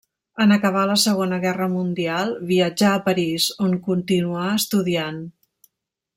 En acabar la Segona Guerra Mundial viatjà a París, on continuà estudiant.